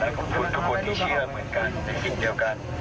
ขอบคุณทุกคนที่เชื่อเหมือนกันในสิ่งเดียวกัน